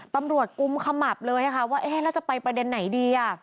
ปำรวจกุ้มขมับเลยค่ะว่าแล้วจะไปประเด็นไหนดี